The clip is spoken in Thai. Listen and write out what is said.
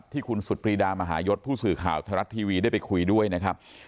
ที่คุณสุดปรีดามหายศผู้สื่อข่าวไทยรัฐทีวีได้ไปคุยด้วยนะครับ